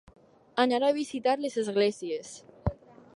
Anar a visitar les esglésies.